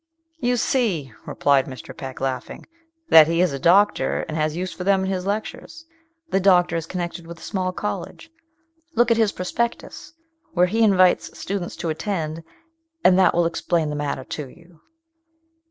"You see," replied Mr. Peck, laughing, "that he is a doctor, and has use for them in his lectures. The doctor is connected with a small college. Look at his prospectus, where he invites students to attend, and that will explain the matter to you."